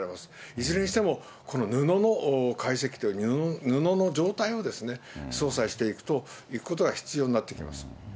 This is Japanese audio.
いずれにしても、この布の解析、布の状態を捜査していくということが必要になってきます。